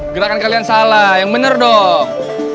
gerakan kalian salah yang benar dong